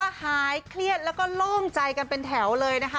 หายเครียดแล้วก็โล่งใจกันเป็นแถวเลยนะคะ